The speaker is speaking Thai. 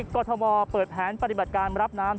กรทมเปิดแผนปฏิบัติการรับน้ำ